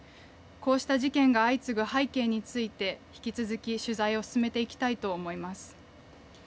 こうした事件が相次ぐ背景について引き続き取材を進めていきたいと思います。